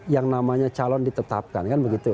yang namanya calon ditetapkan